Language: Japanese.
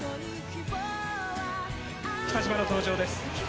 北島の登場です。